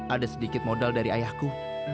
ada sedikit modal dari ayahku